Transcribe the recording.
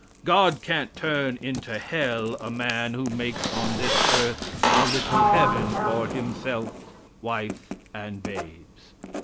God can't turn into hell a man who makes on this earth a little heaven for himself, wife and babes.